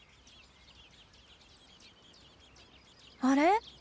あれ？